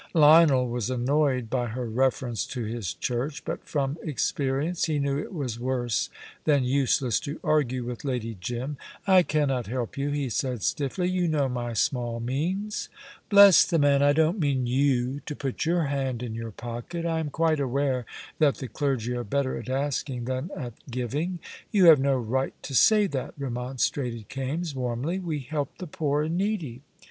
Lionel was annoyed by her reference to his church, but from experience he knew it was worse than useless to argue with Lady Jim. "I cannot help you," he said stiffly; "you know my small means." "Bless the man, I don't mean you to put your hand in your pocket. I am quite aware that the clergy are better at asking than at giving." "You have no right to say that," remonstrated Kaimes, warmly. "We help the poor and needy."